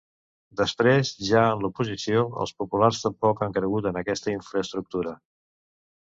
Després, ja en l’oposició, els populars tampoc han cregut en aquesta infraestructura.